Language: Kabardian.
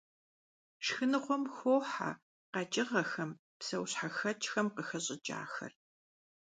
Шхыныгъуэм хохьэ къэкӀыгъэхэм, псэущхьэхэкӀхэм къыхэщӀыкӀахэр.